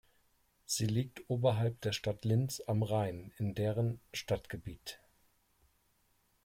Sie liegt oberhalb der Stadt Linz am Rhein in deren Stadtgebiet.